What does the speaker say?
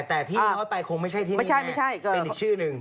แต่ที่เขาไปคงไม่ใช่ที่นี่แม้เป็นอีกชื่อนึง